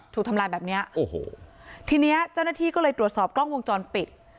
ถูกทำลายแบบเนี้ยโอ้โหทีเนี้ยเจ้าหน้าที่ก็เลยตรวจสอบกล้องวงจรปิด